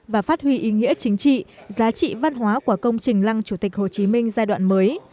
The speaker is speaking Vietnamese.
và phát huy ý nghĩa chính trị giá trị văn hóa của công trình lăng chủ tịch hồ chí minh giai đoạn mới